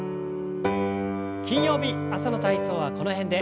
金曜日朝の体操はこの辺で。